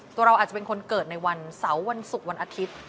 เราอาจจะเป็นคนเกิดในวันเสาร์วันศุกร์วันอาทิตย์